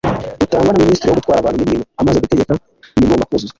rutangwa na ministre wo gutwara abantu n’ibintu amaze gutegeka ibigomba kuzuzwa